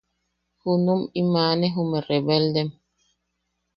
Junum im aane jume rebeldem.